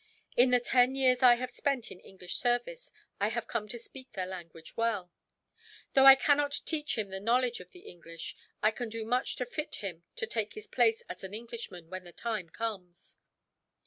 In the ten years I have spent in English service I have come to speak their language well. Though I cannot teach him the knowledge of the English, I can do much to fit him to take his place as an Englishman, when the time comes."